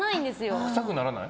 臭くならない？